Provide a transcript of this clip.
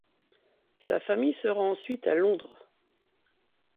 Sa famille se rend ensuite à Londres.